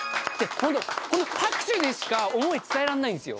ホントこの拍手でしか思い伝えられないんすよ